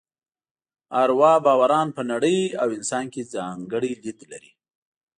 اروا باوران په نړۍ او انسان کې ځانګړی لید لري.